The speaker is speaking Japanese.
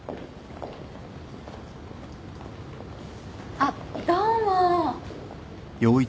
あっどうも。